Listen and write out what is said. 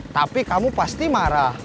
tapi kamu pasti marah